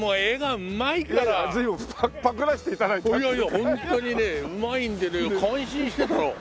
ホントにねうまいんでね感心してたの。